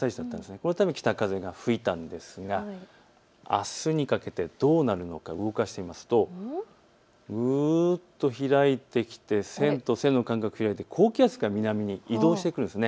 このため北風が吹いたんですがあすにかけてどうなるのか動かしてみますとぐっと開いてきて線と線の間隔が開いて高気圧が移動してくるんですね。